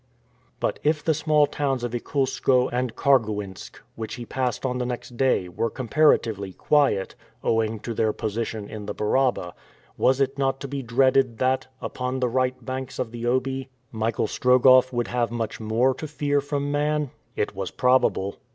But if the small towns of Ikoulskoe and Karguinsk, which he passed on the next day, were comparatively quiet, owing to their position in the Baraba, was it not to be dreaded that, upon the right banks of the Obi, Michael Strogoff would have much more to fear from man? It was probable.